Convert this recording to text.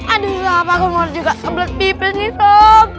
aduh sobat aku mau juga kebelet pipis nih sob